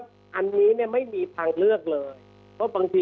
อย่างนั้นเนี่ยถ้าเราไม่มีอะไรที่จะเปรียบเทียบเราจะทราบได้ไงฮะเออ